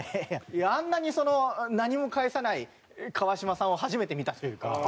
あんなにその何も返さない川島さんを初めて見たというか。